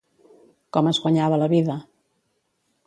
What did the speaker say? Com es guanyava la vida?